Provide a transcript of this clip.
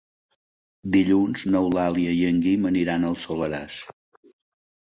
Dilluns n'Eulàlia i en Guim aniran al Soleràs.